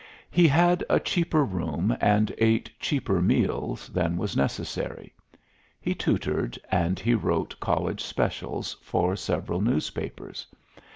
He had a cheaper room and ate cheaper meals than was necessary. He tutored, and he wrote college specials for several newspapers.